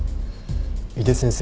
井手先生